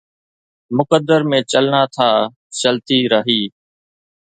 مقدر مين چلنا ٿا چلتي راهي